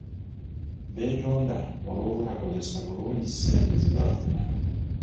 Beetonda olw'obutakozesa bulungi ssente ze baafuna.